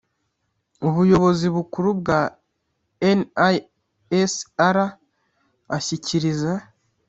ubuyobozi bukuru bwa nisr ashyikiriza